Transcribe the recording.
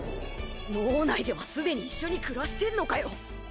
脳内ではすでに一緒に暮らしてんのかよ。